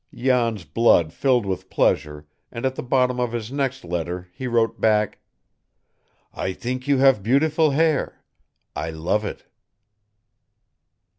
Jan's blood filled with pleasure, and at the bottom of his next letter he wrote back: "I think you have beautiful hair. I love it."